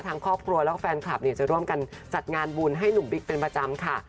ทางครอบครัวแล้วก็แฟนคลับเนี่ยจะร่วมกันจัดงานบุญให้หนุ่มบิ๊กเป็นประจำค่ะ